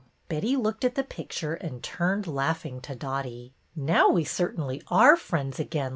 Betty looked at the picture and turned laughing to Dotty. Now we certainly are friends again.